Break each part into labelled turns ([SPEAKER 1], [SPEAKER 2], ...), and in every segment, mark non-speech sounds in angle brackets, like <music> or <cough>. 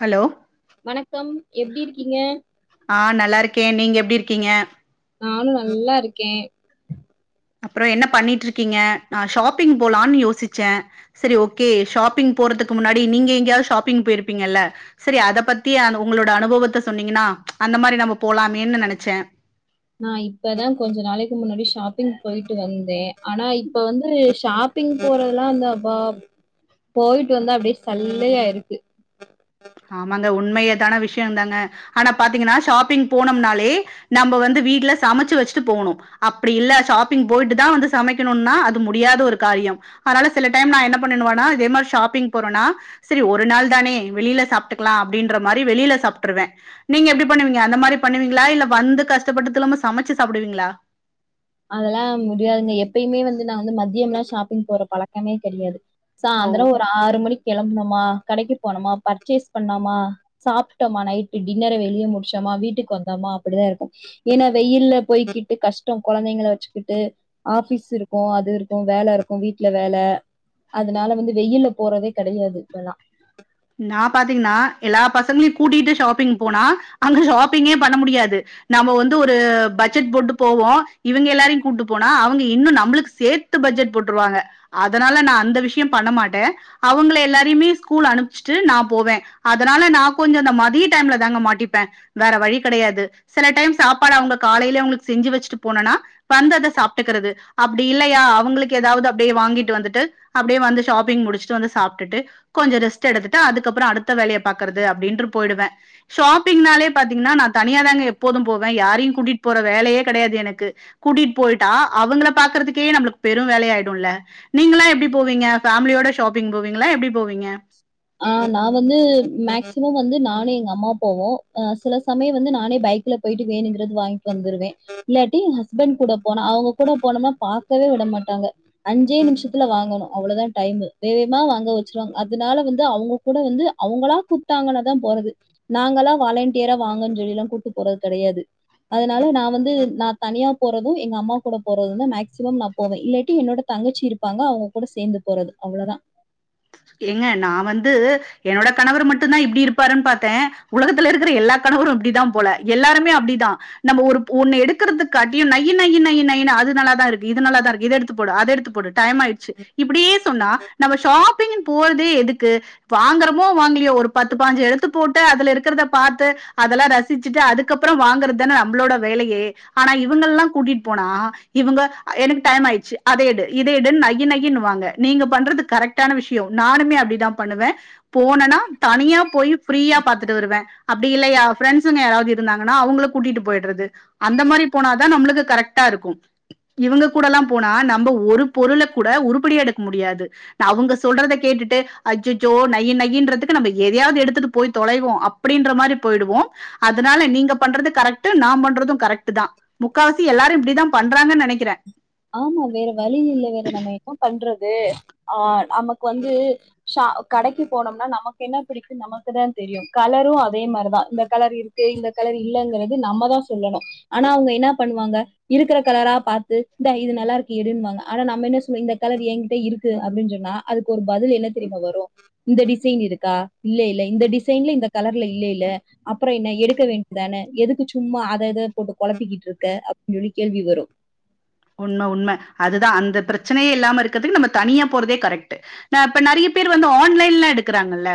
[SPEAKER 1] Hello
[SPEAKER 2] வணக்கம் எப்டி இருக்கீங்க
[SPEAKER 1] ஆ நல்லா இருக்கே நீங்க எப்டி இருக்கீங்க
[SPEAKER 2] நானு நல்லா இருக்கே
[SPEAKER 1] அப்பறோ என்ன பண்ணீட்டு இருக்கீங்க நா ஷாப்பிங் போலான் யோசிச்சே செரி ஓகே ஷாப்பிங் போறதுக்கு முன்னாடி நீங்க எங்கேயாவது ஷாப்பிங் போயிருப்பீங்கல்ல சரி அத பத்தி உங்களோட அனுபவத்த சொன்னீங்கன்னா அந்த மாரி நம்ம போலாமேன்னு நெனச்சே
[SPEAKER 2] நா இப்பதா கொஞ்ச நாளைக்கு முன்னாடி ஷாப்பிங் போயிட்டு வந்தே ஆனா இப்ப வந்து ஷாப் ஷாப்பிங் போறதெல்லா அந்த பா போயிட்டு வந்த அப்டியே சல்லையா இருக்கு
[SPEAKER 1] ஆமாங்க உண்மையேதான விஷயந்தாங்க ஆனா பாத்தீங்கன்னா ஷாப்பிங் போனம்னாலே நம்ப வந்து வீட்ல சமச்சு வச்சுட்டு போகனு அப்டி இல்ல ஷாப்பிங் போயிட்டு தா வந்து சமைக்கணுன்னா அது முடியாத ஒரு காரியம் அதனால சில டைம் நா என்ன பண்ணுவேனா இதே மாரி ஷாப்பிங் போறோனா சரி ஒரு நாள் தானே வெளியில சாப்ட்டுக்கலா அப்டீன்ற மாரி வெளில சாப்ட்ருவே நீங்க எப்டி பண்ணுவீங்க அந்த மாரி பண்ணுவீங்ளா இல்ல வந்து கஷ்டப்பட்டு திலும்ப சமச்சு சாப்டுவீங்ளா
[SPEAKER 2] அதெல்லா முடியாதுங்க எப்பயுமே வந்து நா வந்து மத்தியம்லா ஷாப்பிங் போற பழக்கமே கெடயாது சாந்ர
[SPEAKER 1] ஓ!
[SPEAKER 2] ஒரு ஆறு மணி கெளம்பனுமா கடைக்கு போனோமா பர்ச்சேஸ் பண்ணோமா சாப்ட்டோமா நைட்டு டின்னர வெளிய முடிச்சோமா வீட்டுக்கு வந்தோமா அப்டிதா இருக்கனு ஏன்னா வெயில்ல போய்கிட்டு கஷ்டோ கொழந்தைங்கள வெச்சுக்கிட்டு ஆபிஸ் இருக்கு அது இருக்கு வேல இருக்கு வீட்ல வேல அதனால வந்து வெயில்ல போறதே கெடயாது இப்பல்லா
[SPEAKER 1] நா பாத்தீங்ன்னா எல்லா பசங்களையு கூட்டிட்டு ஷாப்பிங் போனா அங்க ஷாப்பிங்கே பண்ண முடியாது நம்ம வந்து ஒரு பட்ஜெட் போட்டு போவோம் இவுங்க எல்லாரையும் கூட்டு போனா அவுங்க இன்னு நம்மளுக்கு சேத் சேத்து பட்ஜெட் போட்டுருவாங்க அதனால நா அந்த விஷயம் பண்ண மாட்டன் அவுங்கள எல்லாரையுமே ஸ்கூல் அனுப் ஸ்டில் நான் போவேன் அதனால நா கொஞ்சோம் அந்த மதிய டைம்ல தாங்க மாட்டிப்பேன் வேற வழி கெடயாது சில டைம் சாப்பாடு அவுங்க காலையில அவுங்களுக்கு செஞ்சு வெச்சிட்டு போனன்னா வந்தது சாப்ட்டுக்கறது அப்டி இல்லயா அவுங்களுக்கு எதாவது அப்டியே வாங்கிட்டு வந்துட்டு அப்டியே வந்து ஷாப்பிங் முடிச்சுட்டு வந்து சாப்டுட்டு கொஞ்ச ரெஸ் ட் எடுத்துட்டு அதுக்கப்றோ அடுத்த வேலய பாக்றது அப்டின்னு போயிடுவே ஷாப்பிங்னாலே பாத்தீங்ன்னா நா தனியா தாங்க எப்போதும் போவேன் யாரையும் கூட்டிட்டு போற வேலயே கெடயாது எனக்கு கூட்டிட்டு போயிட்டா அவுங்கள பாக்குறதுக்கே நம்ளுக்கு பெரும் வேலயா ஆயிடும்ல நீங்ளா எப்டி போவீங்க ஃபேமிலியோட ஷாப்பிங் போவீங்ளா எப்டி போவீங்க
[SPEAKER 2] ஆ நா வந்து மேக்சிமம் வந்து நானு எங்க அம்மா போவோம் சில சமயம் வந்து நானே பைக் ல போயிட்டு வேணுங்கிறது வாங்கிட்டு வந்துடுவேன் இல்லாட்டி யென் ஹஸ்பண்ட் கூட போனா அவுங்க கூட போனோம்னா பாக்கவே விடமாட்டாங்க அஞ்சே நிமிஷத்துல வாங்கணும் அவ்ளதான் டைமு வேகமா வாங்க வச்சுருவாங்க அதனால வந்து அவுங்க கூட வந்து அவுங்களா கூப்டாங்கனாதான் போறது நாங்களா வாலண்டியரா வாங்கன் சொல்லில்லா கூட்டு போறது கெடயாது அதனால நா வந்து நா தனியா போறது எங்க அம்மா கூட போறது தா ‌மேக்சிமம் நா போவேன் இல்லாட்டி என்னோட தங்கச்சி இருப்பாங்க அவுங்க கூட சேந்து போறது அவ்ளவுதான்
[SPEAKER 1] ஏங்க நான் வந்து என்னோட கணவர் மட்டுந்தான் இப்டி இருப்பாருன்னு பாத்தன் உலகத்துல இருக்குற எல்லா கணவரும் இப்டிதா போல எல்லாருமே அப்டிதா நம்ப ஒரு ஒன்னு எடுக்குறதக்காட்டி நை நை நைன்னு அது நல்லாதான் இருக்கு இது நல்லா தான் இருக்கு இத எடுத்து போடுஅத எடுத்து போடு டைம் ஆயிடுச்சு இப்டியே சொன்னா நம்ப ஷாப்பிங் போறதே எதுக்கு வாங்குறமோ வாங்கலீயோ ஒரு பத்து பாஞ்சு எடுத்து போட்டு அதுல இருக்குறத பாத்து அதெல்லா ரசி சிச்சுட்டு அதுக்கப்புறம் வாங்கற தான நம்ளோட வேலயே ஆனா இவுங்கல்லா கூட்டிட் போனா இவுங்க எனக்கு டைம் ஆயிடுச்சு அத எடு இத எடுன்னு நை நையின்னு வாங்க நீங்க பண்றது கரெக்டான விஷயோம் நானுமே அப்டிதான் பண்ணுவன் போனோனா தனியா போய் ஃப்ரீயா பாத்துட்டு வருவேன் அப்டி இல்லையா ஃப்ரண்ட்ஸ்ங்க யாராவது இருந்தாங்ன்னா அவுங்கள கூட்டிட்டு போயிட்றது அந்த மாரி போனாதான் நம்மளுக்கு கரெக்ட்டா இருக்கும் இவுங்க கூடல்லாம் போனா நம்ப ஒரு பொருள கூட உருப்படியா எடுக்க முடியாது அவுங்க சொல்றத கேட்டுட்டு அஜ்ஜோ நையி நையின்றதுக்கு நம்ப எதயாவது எடுத்துட்டு போய் தொலைவோம் அப் அப்டின்ற மாரி போயிடுவோம் அதனால நீங்க பண்றது கரெக்ட் நா பண்றதும் கரெக்ட் தான் முக்காவாசி எல்லாரு இப்டி தான் பன்
[SPEAKER 2] ஆமா வேற வழி இல்ல வேற நம்ம என்ன பண்றது ஆ நமக்கு வந்து ஷா கடைக்கு போனோம்னா நமக்கு என்ன பிடிக்கும் நமக்கு தான் தெரியும் கலரும் அதே மாரி தான் இந்த கலர் இருக்கு இந்த கலர் இல்லங்கறது நம்ம தான் சொல்லணு ஆனா அவுங்க என்னா பண்ணுவாங்க இருக்குற கலரா பாத்து இந்தா இது நல்லா இருக்கு எடுனுவாங்க ஆனா நம்ப என்ன சொல்லவோ இந்த கலர் யெங்க்கிட்ட இருக்கு அப்டின்னு சொன்னா அதுக்கு ஒரு பதில் என்ன தெரிமா வரும் இந்த டிசைன் இருக்கா இல்ல இல்ல இந்த டிசைன்ல இந்த கலர்ல இல்ல இல்ல அப்புறோம் என்ன எடுக்க வேண்டியதான எதுக்கு சும்மா அத இத போட்டு குழப்பிக்கிட்டு இருக்க அப்டி சொல்லி கேள்வி வரும்
[SPEAKER 1] உண்ம உண்ம அதுதான் அந்த பிரச்சனையே இல்லாம இருக்குறதுக்கு நம்ப தனியா போறதே கரெக்ட் நா இப்ப நறைய பேர் வந்து ஆன்லைன்லா எடுக்கறாங்கல்ல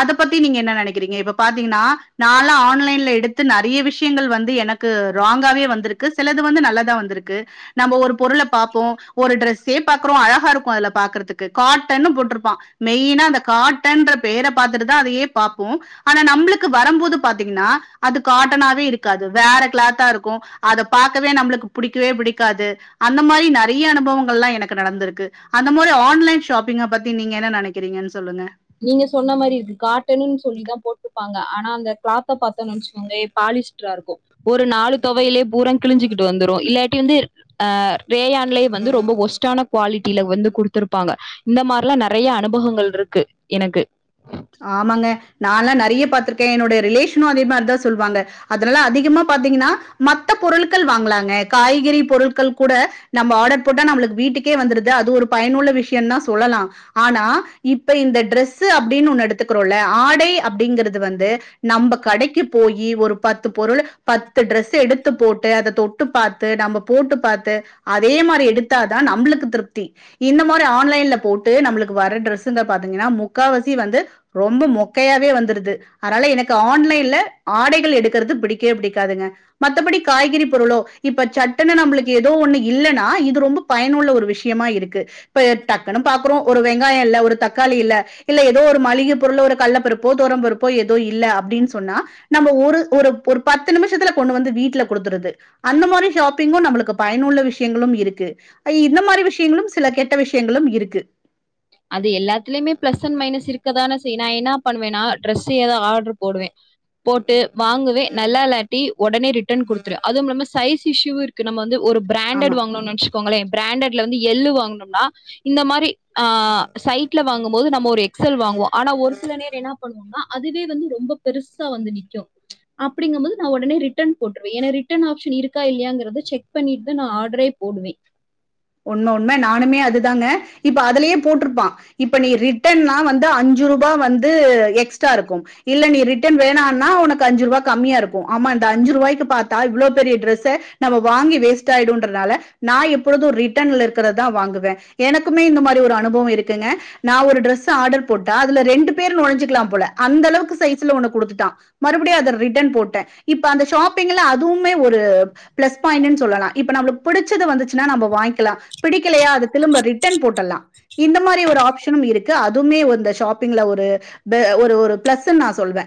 [SPEAKER 1] அத பத்தி நீங்க என்ன நனைக்கிறீங்க இப்ப பாத்தீங்ன்னா நாலா ஆன்லைன்ல எடுத்து நறைய விஷயங்கள் வந்து எனக் கு ராங்காவே வந்திருக்கு சிலது வந்து நல்லதான் வந்திருக்கு நம்ம ஒரு பொருள பாப்போ ஒரு டிரரெஸ்ஸே பாக்குறோ அழகா இருக்கோ அதுல பாக்குறதுக்கு காட்டன்னு போட்ருப்பா மெயினா அந்த காட்டன்ற பெயர பாத்துட்டுதா அதையே பாப்போ ஆனா நம்முளுக்கு வரும்போது பாத்தீங்கன்னா அது காட்டனாவே இருக்காது வேற க்ளாத்தா இருக்கோ அத பாக்கவே நம்முளுக்கு பிடிக்கவே பிடிக்காது அந்த மாரி நறைய அனுபவங்கள்லா எனக்கு நடந்திருக்கு அந்த மாரி ஆன்லைன் ஷாப்பீங்க பத்தி நீங்க என்ன நெனைக்கிறீங்கன்னு சொல்லுங்க
[SPEAKER 2] நீங்க சொன்ன மாரி இது காட்டனுன்னு சொல்லிதா போட்டுருப்பாங்க ஆனா அந்த கிளாத்த பாத்தோன்னு நெனச்சுக்கோங்கலே பாலிஷ் பெட்ரா இருக்கோ ஒரு நாலு தொவையிலே பூரா கிழிஞ்சிக்கிட்டு வந்துரோ இல்லாட்டி வந்து அ ரேயான்லயே வந்து ரொம்ப ஒஸ்டான குவாலிட்டில வந்து குடுத்துருப்பாங்க இந்த மாரிலா நறைய அனுபவங்கள் இருக்கு எனக்கு
[SPEAKER 1] ஆமாங்க நா லா நறைய பாத்துருக்கே என்னோடைய ரிலேஷனு அதே மாரிதா சொல்லுவாங்க அதனால அதிகமா பாத்தீங்கன்னா மத்த பொருள்கள் வாங்கலாங்க காய்கறி பொருள்கள் கூட நம்ப ஆடர் போட்டா நம்புளுக்கு வீட்டுக்கே வந்துருது அது ஒரு பயனுள்ள விஷ்யோந் தா சொல்லலா ஆனா இப்ப இந்த ட்ரெஸு அப்டீன்னு ஒண்ணு எடுத்துக்கிறோல ஆடை அப்டீங்கறது வந்து நம்ப கடைக்கி போயி ஒரு பத்து பொருள் பத்து ட்ரெஸ்ஸு எடுத்து போட்டு அத தொட் ட்டு பாத்து நம்ப போட்டு பாத்து அதே மாரி எடுத்தாதா நம்புளுக்கு திருப்தி இந்த மாரி ஆன்லைன்ல போட்டு நம்முளுக்கு வர டிரெஸ்ஸுங்க பாத்தீங்கன்னா முக்கா வாசி வந்து ரொம்ப மொக்கையாவே வந்துருது அதனால ஆன்லைன்ல ஆடைகள் எடுக்குறது பிடிக்கவே பிடிக்காதுங்க மத்தபடி காய்கறி பொருளோ இப்ப சட்டனு நம்புளுக்கு எதோ ஒண்ணு இல்லன்னா இது ரொம்ப பயனுள்ள ஒரு விஷ்யமா இருக்கு இப்ப டக்குன்னு பாக்குறோ ஒரு வெங்காயோ இல்ல ஒரு தக்காளி இல்ல இல்ல ஏதோ ஒரு மளிக பொருள உள்ள ஒரு கள்ளப் பருப்போ தோரம் பருப்போ எதோ இல்ல அப்டீன் சொன்னா நம்ம ஒரு ஒரு ஒரு பத்து நிமிஷத்துல கொண்டு வந்து வீட்ல கொடுத்துருது அந்த மாரி ஷாப்பிங்கோ நம்புளுக்கு பயனுள்ள விஷ்யங்களும் இருக்கு அ இந்த மாரி விஷ்யங்களும் சில கெட்ட விஷ்யங்களும் இருக்கு
[SPEAKER 2] அது எல்லாத்துலயுமே பிளஸ் அண்ட் மைனஸ் இருக்கதானே செய் நா என்ன பண்ணுவே நா டிரஸு எதா ஆர்ட்ரு போடுவே போட்டு வாங்குவே நல்லா இளாட்டி ஒடனே ரிட்டன் குடுத்துருவே அதுவுமிம்லாம சைஸ் இஷுவு இருக்கு நம்ம வந்து ஒரு
[SPEAKER 1] ஆமா
[SPEAKER 2] பிராண்டட் வாங்னோனு நென்ச்சுக்கோங்களே பிராண்டட்ல வந்து எள்ளு வாங்கனும்னா இந்த மாரி அ சைட்ல வாங்கும்போது நம்மோ ஒரு எக்ஸல் வாங்குவோ ஆனா ஒரு சில நேர் என்ன பண்ணுவோனா அதுவே வந்து ரொம்ப பெருசா வந்து நிக்கோ அப்புடீங்கும்போது நா ஒடனே ரிட்டன் போட்ருவே ஏனா ரிட்டர்ன் ஆப்ஷன் இருக்கா இல்லையாங்கறது செக் பண்ணிட்டு நா ஆடரே போடுவே
[SPEAKER 1] உண்ம உண்ம நானுமே அதுதாங்க இப்ப அதுலயே போட்ருப்பா இப்ப நீ ரிட்டன்னா வந்து அஞ்சுறுபா வந்து எக்ஸ்ட்ரா இருக்கும் இல்ல நீ ரிட்டன் வேணானா உனக்கு ஐஞ்சுறுபா கம்மியா இருக்கோ ஆமா இந்த அஞ்சுருபாய்க்கு பாத்தா இவ்ளோ பெரிய ட்ரெஸ்ஸ நம்ம வாங்கி வேஸ்ட் ஆயிடோன்றனால நா எப்பொழுதும் ரி ட்டன்ல இருக்குறதுதா வாங்குவே எனக்குமே இந்த மாரி ஒரு அனுபவோ இருக்குங்க நா ஒரு ட்ரெஸு ஆர்டர் போட்டா அதுல ரெண்டு பேர் நுழஞ்சுக்குலா போல அந்த அளவுக்கு சைஸ்ல ஒன்ன குடுத்துட்டா மறுபடியு அத ரிட்டன் போட்டே இப்ப அந்த ஷாப்பிங்ல அதுவுமே ஒரு பிளஸ் பாயிண்ட்டுனு சொல்லலா இப்ப நம்முளுக்கு புடிச்ச வந்துச்சுனா நம்ப வாங் கிலா பிடிக்கலையா அது திலும்ப ரிட்டர்ன் போட்டலா இந்த மாரி ஒரு ஆப்ஷனு இருக்கு அதுவுமே வந்த ஷாப்பிங்ல ஒரு த ஒரு ஒரு பிளஸ்ன்னு நா சொல்வே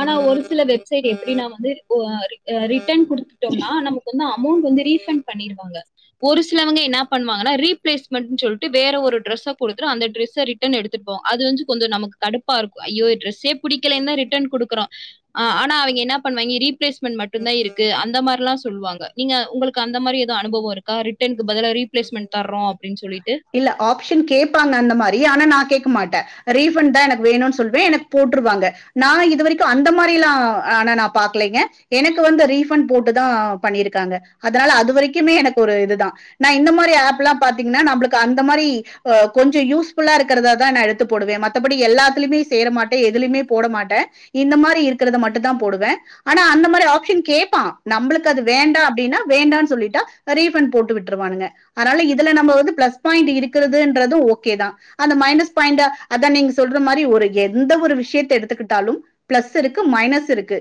[SPEAKER 2] ஆனா ஒரு சில வெப்சைட் எப்டீனா வந்து ஒ அ ரிட்டர்ன் குடுத்துட்டோம்னா நமக்கு வந்து அமௌண்ட் வந்து ரீஃபண்ட் பண்ணிடுவாங்க ஒரு சிலவங்க என்ன பண்ணுவாங்கன்னா ரீ பிளேஸ்மெண்ட் சொல்ட்டு வேற ஒரு டிரஸ்ஸ கொடுத்துட்டு அந்த டிரஸ்ஸ ரிட் டன் எடுத்துருப்போ அது வந்து கொஞ்சோ நமக்கு கடுப்பா இருக்கும் ஐயோ டிரஸ்சே புடிக்கலன்தா ரிட்டன் கொடுக்கறோ ஆ ஆனா அவங்க என்ன பண்ணுவாங்க ரீப்பிளேஸ்மன்ட் மட்டுந்தா இருக்கு அந்த மாரில்லா சொல்வாங்க நீங்க உங்களுக்கு அந்த மாரி எதும் அனுபவம் இருக்கா ரிட்டன்க்கு பதிலா ரீப்பிளேஸ்மண்ட் தர்ரோ அப்டின் சொல்லிட்டு
[SPEAKER 1] இல்ல ஆப்ஷன் கேப்பாங்க அந்த மாரி ஆனா நா கேக்க மாட்ட ரீஃபண்ட் தா எனக்கு வேணுன் சொல்வ எனக்கு போட்ருவாங்க நா இது வரைக்கு அந்த மாரில்லா ஆனா நா பாக்கலங்க எனக்கு வந்து ரீஃபண்ட் போட்டு தா பண்ணிருக்காங்க அதனால அது வரைக்குமே எனக்கு ஒரு இதுதா நா இந்த மாரி ஆப்ல்லா பாத்தீங்கன்னா நம்பளுக் கு அந்த மாரி ஒ கொஞ்சோ யூஸ்ஃபுல்லா இருக்கிறததா நா எடுத்து போடுவ மத்தபடி எல்லாத்திலுமே சேர மாட்ட எதுலயுமே போட மாட்ட இந்த மாரி இருக்கறத மட்டுதா போடுவ ஆனா அந்த மாரி ஆப்ஷன் கேப் பான் நம்பளுக்கு அது வேண்டா அப்டின்னா வேண்டான் சொல்லிட்டா ரீஃபண்ட் போட்டு விட்டுருவானுங்க அதனால இதுல நம்ம வந்து பிளஸ் பாயிண்ட் இருக்கறதுன்றது ஓகே தா அந்த மைனஸ் பாயிண்ட அத நீங்க சொல்ற மாரி ஒரு எந்த ஒரு விஷியத்த எடுத்துக்கிட்டாலும் பிளஸ் இருக்கு மைனஸ் இருக்கு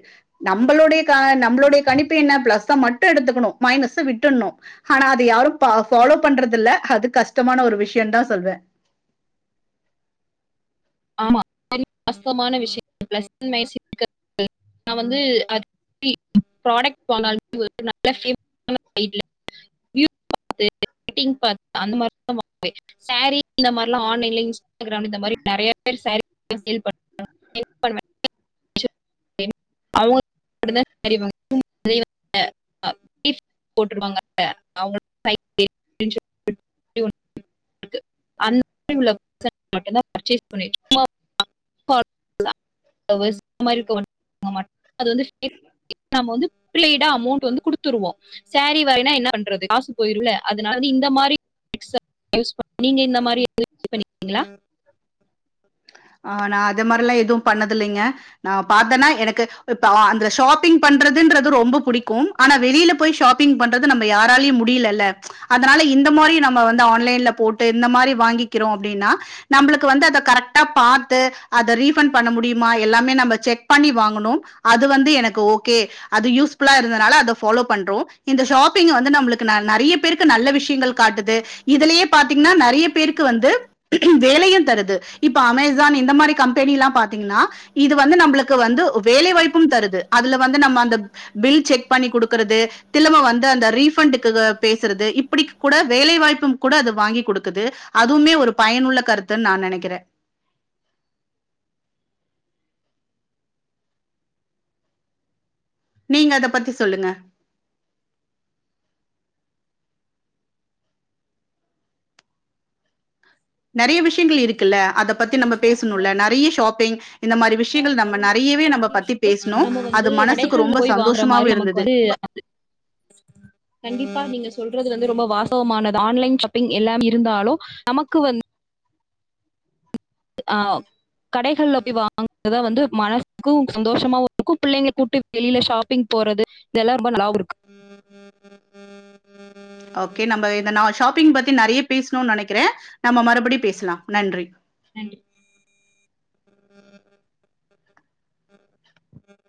[SPEAKER 1] நம்பளுடைய கா நம்பளுடைய கணிப்பு என்ன பிளஸ்ச மட்டும் எடுத்துக்கனு மைனஸ்ச விட்டறனு ஆனா அத யாரும் பா ஃபாலோ பண்றது இல்ல அது கஷ்டமான ஒரு விஷியம் தா சொல்வ
[SPEAKER 2] ஆமா சரி கஷ்டமான விஷிய பிளஸ் மைனஸ் <inaudible> நா வந்து அ <inaudible> புராடக்ட் வாங்க <inaudible> <inaudible> ரேட்டிங் பாத்து அந்த மாரி தா வாங்குவ சேரி இந்த மாரிலா ஆன்லைன்லா இன்ஸ் டாகிராம் இந்த மாரி நறையா பேர் சேரி வாங்கி சேல் <inaudible> அவங்களுக்கு மட்டும் தா சேரி <inaudible> போட்டுருவாங்க அவங்க <inaudible> அந்த மாரி உள்ள <inaudible> மட்டுதா பர்ச்சஸ் பண்ணு <inaudible> <inaudible> அது வந்து இப்ப நம்ம வந்து பிரியைடா அமோண்ட்டு வந்து குடுத்துருவோ சேரி வரலனா என்ன பண்றது காசு போயிருல அதனால வந்து இந்த மாரி <inaudible> நீங்க இந்த மாரி எதாவது இது பண்ணீருக்கிங்களா
[SPEAKER 1] ஆ நா அது மாரில்லா எதுவும் பண்ணதில்லைங்க நா பாத்தன்னா எனக்கு இப்ப அந்த ஷாப்பிங் பண்றதுன்றது ரொம்ப புடிக்கும் ஆனா வெளியில போயி ஷாப்பிங் பண்றது நம்ப யாராலயும் முடியல இல்ல அதனால இந்த மாரி நம்ம வந்து ஆன்லைன்ல போட்டு இந்த மாரி வாங்கிக்கிறோ அப்டின்னா நம்பளுக்கு வந்து அத கரெக்ட்டா பாத்து அத ரீஃபண்ட் பண்ண முடியு மா எல்லாமே நம்ம செக் பண்ணி வாங்கனு அது வந்து எனக்கு ஓகே அது யூஸ்ஃபுல்லா இருந்தனால அத ஃபாலோ பண்றோ இந்த ஷாப்பிங் வந்து நம்பளுக்கு ந நறையா பேருக்கு நல்ல விஷியங்கள் காட்டுது இதுலயே பாத்தீங்கின்னா நறையி பேருக்கு வந்து வேலையும் தருது இப்ப அமேசான் இந்த மாரி கம்பெனிலா பாத்தீங்கன்னா இது வந்து நம்பளுக்கு வந்து வேலை வாய்ப்பும் தருது அதுல வந்து நம்ம அந்த பில் செக் பண்ணி குடுக்கறது திலும வந்து அந்த ரீஃபண்டுக்கு எதோ பேசறது இப்டி கூட வேலைவாய்ப்பும் கூட அது வாங்கி கொடுக்குது அதுவுமே ஒரு பயனுள்ள கருத்துன்னு நா நெனைக்கிறே நீங்க அத பத்தி சொல்லுங்க நறையா விஷியங்கள் இருக்குல்ல அத பத்தி நம்ம
[SPEAKER 2] பேச்சு தான்
[SPEAKER 1] பேசணுல்ல நறையா ஷாப்பிங் இந்த மாரி
[SPEAKER 2] என்னதான்
[SPEAKER 1] விஷியங்கள் நம்ம
[SPEAKER 2] இருந்தாலும்
[SPEAKER 1] நறையாவே நம்ப பத்தி
[SPEAKER 2] ஆன்லைன்
[SPEAKER 1] பேசனோ
[SPEAKER 2] நம்ம வந்து
[SPEAKER 1] அது மனசுக்கு
[SPEAKER 2] கடைகள்ல
[SPEAKER 1] ரொம்ப
[SPEAKER 2] போய் வாங்குற
[SPEAKER 1] சந்தோஷமாவு
[SPEAKER 2] மாதிரி நமக்கு
[SPEAKER 1] இருந்தது
[SPEAKER 2] வந்து கண்டிப்பா நீங்க சொல்றது வந்து ரொம்ப வாசுவமானது ஆன்லைன் ஷாப்பிங் எல்லாம் இருந்தாலு அமக்கு வந் ஆ கடைகள் அப்டி வாங்கற்தா வந்து மனசுக்கு சந்தோஷமா இருக்கு பிள்ளைங்க கூட்டு வெளில ஷாப்பிங் போறது இதல்லா ரொம்ப நல்லாவு இருக்கு
[SPEAKER 1] ஓகே நம்ப இத நா ஷாப்பிங் பத்தி நறைய பேஸ்ணு நனக்கிறே நம்ம மறுபுடி பேஸ்லா நன்றி
[SPEAKER 2] நன்டி